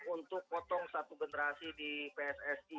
untuk potong satu generasi kecil